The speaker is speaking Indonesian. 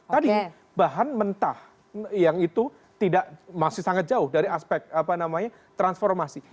tadi bahan mentah yang itu tidak masih sangat jauh dari aspek transformasi